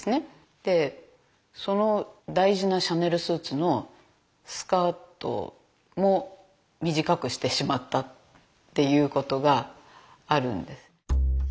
でその大事なシャネルスーツのスカートも短くしてしまったっていうことがあるんです。